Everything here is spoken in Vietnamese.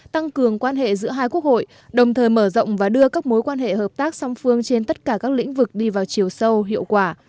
tăng cường quan hệ giữa hai quốc hội đồng thời mở rộng và đưa các mối quan hệ hợp tác song phương trên tất cả các lĩnh vực đi vào chiều sâu hiệu quả